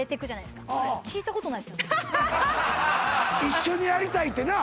一緒にやりたいってな？